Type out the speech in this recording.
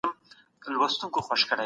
مجاهد په هر وار دښمن په شا تمبوی.